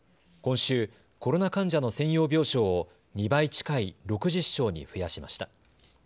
今週、コロナ患者の専用病床を２倍近い６０床に増やしました。